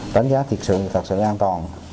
đánh giá thiệt sự thì thật sự an toàn